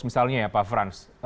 misalnya ya pak frans